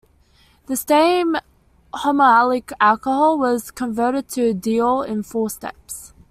The same homoallylic alcohol was converted to diol in four steps.